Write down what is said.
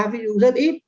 ví dụ rất ít